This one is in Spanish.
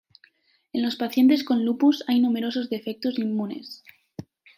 En los pacientes con lupus hay numerosos defectos inmunes.